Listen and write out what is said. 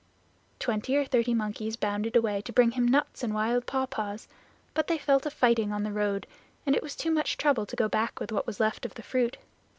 Twenty or thirty monkeys bounded away to bring him nuts and wild pawpaws. But they fell to fighting on the road, and it was too much trouble to go back with what was left of the fruit.